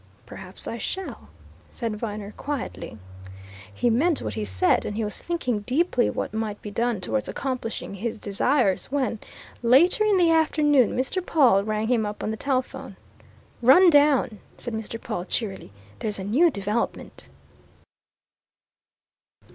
"Perhaps I shall," said Viner, quietly. He meant what he said, and he was thinking deeply what might be done towards accomplishing his desires, when, later in the afternoon, Mr. Pawle rang him up on the telephone. "Run down!" said Mr. Pawle cheerily. "There's a new development!"